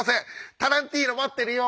タランティーノ待ってるよ！